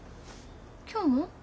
今日も？